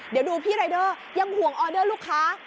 เดี๋ยวดูพี่รายเดอร์ยังห่วงออเดอร์ลูกค้า